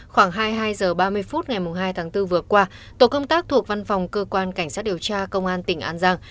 khoảng hai mươi hai h ba mươi phút ngày hai tháng bốn vừa qua tổ công tác thuộc văn phòng cơ quan cảnh sát điều tra công an tỉnh an giang